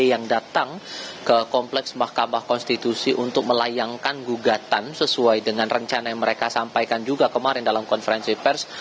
yang datang ke kompleks mahkamah konstitusi untuk melayangkan gugatan sesuai dengan rencana yang mereka sampaikan juga kemarin dalam konferensi pers